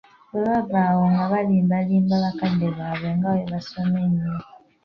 Bwe bava awo nga balimbalimba bakadde baabwe nga bwe basoma ennyo.